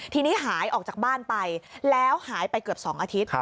ทีนี้หายออกจากบ้านไปแล้วหายไปเกือบ๒อาทิตย์